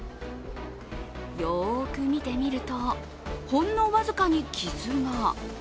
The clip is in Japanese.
よーく見てみると、ほんの僅かに傷が。